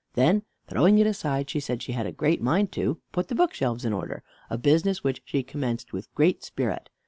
Then throwing it aside, she said she had a great mind to put the bookshelves in order a business which she commenced with great spirit.